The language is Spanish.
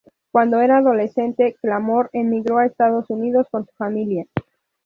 Cuando era adolescente, Clamor emigró a los Estados Unidos con su familia.